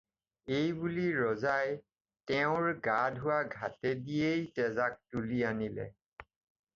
এইবুলি ৰজাই তেওঁৰ গা-ধোৱা ঘাটেদিয়েই তেজাক তুলি আনিলে।